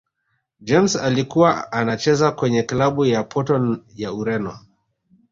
james alikuwa anacheza kwenye klabu ya porto ya ureno